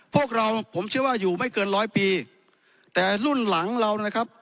พวกเราผมเชื่อว่าอยู่ไม่เกินร้อยปีแต่รุ่นหลังเรานะครับ